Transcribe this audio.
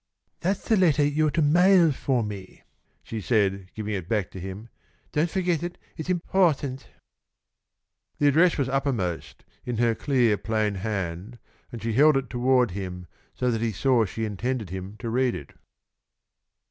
"That's the lettah you are to mail for me," she said, giving it back to him. "Don't forget it, for it's impawtant." The address was uppermost, in her clear, plain hand, and she held it toward him, so that he saw she intended him to read it.